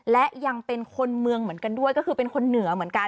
และยังเป็นคนเมืองเหมือนกันด้วยก็คือเป็นคนเหนือเหมือนกัน